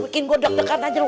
bikin gue dok dekat aja lu